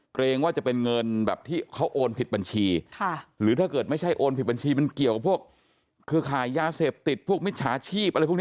เกรงว่าจะเป็นเงินแบบที่เขาโอนผิดบัญชีค่ะหรือถ้าเกิดไม่ใช่โอนผิดบัญชี